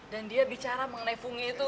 dan dia bicara mengenai fungi itu